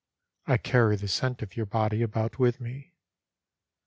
I carry the scent of your body about with me.